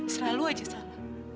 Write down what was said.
selalu aja salah